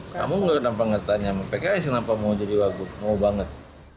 kamu gak kenapa ngetanya sama pks kenapa mau jadi wagub mau banget